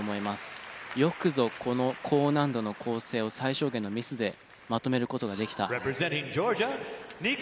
よくぞこの高難度の構成を最小限のミスでまとめる事ができた。